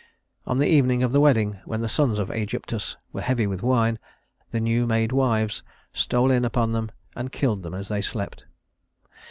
On the evening of the wedding, when the sons of Ægyptus were heavy with wine, the new made wives stole in upon them and killed them as they slept.